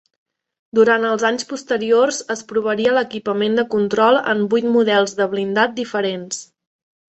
Durant els anys posteriors es provaria l'equipament de control en vuit models de blindat diferents.